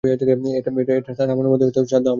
এটা থামানোর মতো সাধ্য আমার নেই।